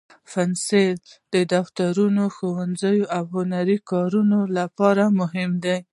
پنسل د دفترونو، ښوونځیو، او هنري کارونو لپاره مهم دی.